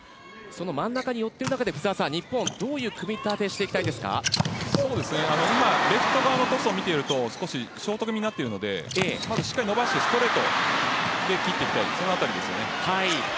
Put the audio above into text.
真ん中に寄っている中で日本どういう組み立てをレフト側のトスを見ているとショート気味になっているのでしっかり伸ばしてストレートで切っていきたいです。